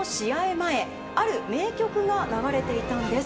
前ある名曲が流れていたんです。